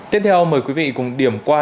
tiếp theo mời quý vị cùng điểm qua